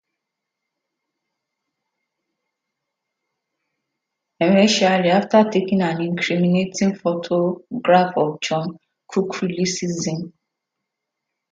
Eventually, after taking an incriminating photograph of John, Cook releases him.